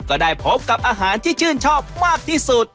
ก็ได้พบกับอาหารที่ชื่นชอบมากที่สุด